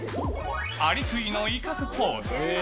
アリクイの威嚇ポーズ。